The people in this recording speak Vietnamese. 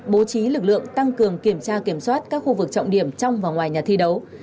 bố trí lực lượng tăng cường kiểm tra kiểm soát các khu vực trọng điểm trong và ngoài nhà thi đấu